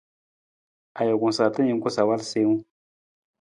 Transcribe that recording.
Ajuku sarta jungku sa awal siiwung.